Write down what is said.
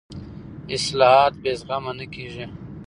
اصلاحات بې زغمه نه کېږي